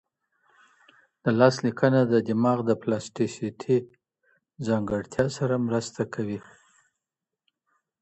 د لاس لیکنه د دماغ د پلاستیسیتي ځانګړتیا سره مرسته کوي.